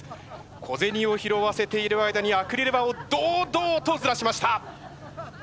小銭を拾わせている間にアクリル板を堂々とずらしました。